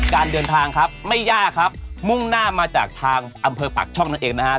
การเดินทางครับไม่ยากครับมุ่งหน้ามาจากทางอำเภอปากช่องนั่นเองนะครับ